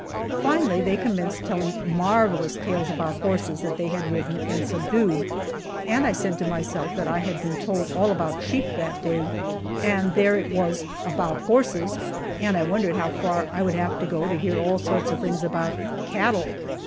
Finally they commenced telling marvelous tales about horses that they had ridden and subdued, and I said to myself that I had been told all about sheep that day, and there it was about horses, and I wondered how far I would have to go to hear all sorts of things about cattle!